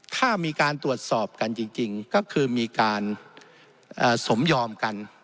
ถ้ามีการตรวจสอบกันจริงก็คือมีการสมยอมกัน